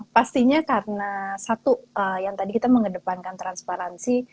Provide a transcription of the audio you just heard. pastinya karena satu yang tadi kita mengedepankan transparansi